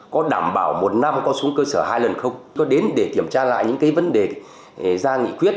có đảm bảo một năm có xuống cơ sở hai lần không có đến để kiểm tra lại những cái vấn đề ra nghị quyết